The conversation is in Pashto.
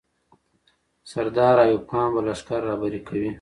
سردار ایوب خان به لښکر رهبري کوي.